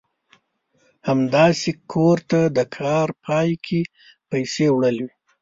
همداسې کور ته د کار پای کې پيسې وړل وي.